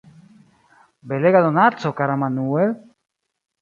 Belega donaco, kara Manuel!